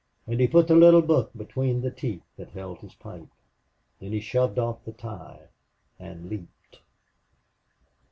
And he put the little book between the teeth that held his pipe. Then he shoved off the tie and leaped.